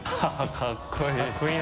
かっこいいな。